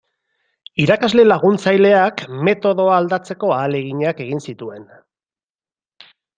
Irakasle laguntzaileak metodoa aldatzeko ahaleginak egin zituen.